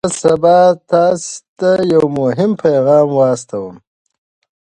زه به سبا تاسي ته یو مهم پیغام واستوم.